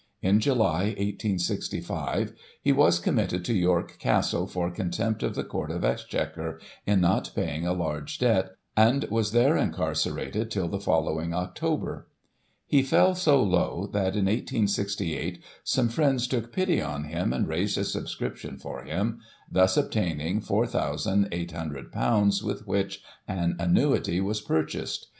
In July, 1865, he was committed to York Castle for Contempt of the Court of Exchequer, in not paying a large debt, and was there incarcerated till the following October. He fell so low, that, in 1868, some friends took pity on him, and raised a subscription for him, thus obtaining ;^4,8oo, with which an annuity was purchased.